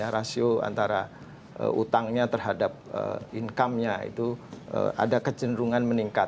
rasio antara utangnya terhadap income nya itu ada kecenderungan meningkat